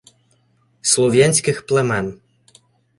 слов'янських племен